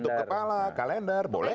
tutup kepala kalender boleh